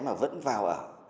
mà vẫn vào ở